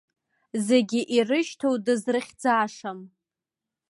Зегьы ирышьҭоу дызрыхьӡашам.